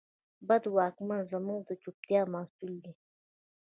بد واکمن زموږ د چوپتیا محصول دی.